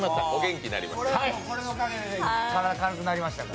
これのおかげで体、軽くなりました。